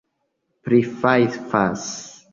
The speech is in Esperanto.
prifajfas